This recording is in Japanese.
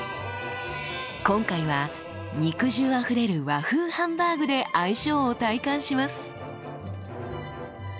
今回は肉汁あふれる和風ハンバーグで相性を体感します。